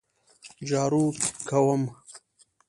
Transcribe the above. جارو کوم